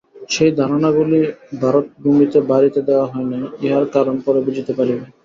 সেই ধারণাগুলি ভারতভূমিতে বাড়িতে দেওয়া হয় নাই, ইহার কারণ পরে বুঝিতে পারিবে।